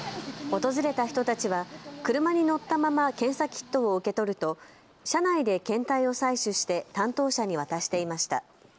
訪れた人たちは車に乗ったまま検査キットを受け取ると車内で検体を採取して担当者に渡していました。